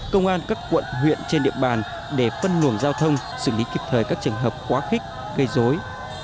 công an các quận huyện trên địa bàn để phân luồng giao thông xử lý kịp thời các trường hợp quá khích gây dối